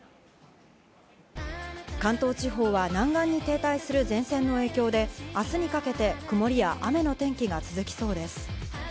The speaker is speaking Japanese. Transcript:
関東地方は南岸に停滞する前線の影響で、明日にかけて曇りや雨の天気が続きそうです。